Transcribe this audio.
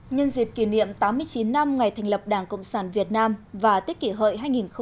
nhân dịp kỷ niệm tám mươi chín năm ngày thành lập đảng cộng sản việt nam và tết kỷ hợi hai nghìn một mươi chín